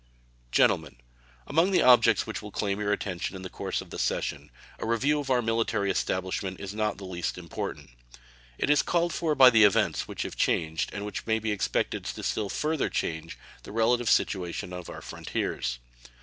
Gentlemen: Among the objects which will claim your attention in the course of the session, a review of our military establishment is not the least important. It is called for by the events which have changed, and may be expected still further to change, the relative situation of our frontiers.